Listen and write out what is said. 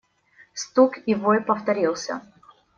Стук и вой повторился.